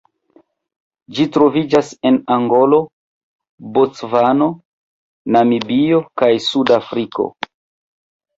Ĝi troviĝas en Angolo, Bocvano, Namibio kaj Sudafriko.